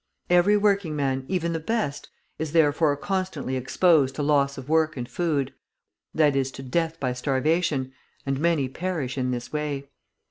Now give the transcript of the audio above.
Every working man, even the best, is therefore constantly exposed to loss of work and food, that is to death by starvation, and many perish in this way.